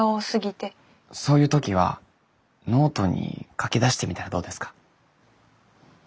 そういう時はノートに書きだしてみたらどうですか？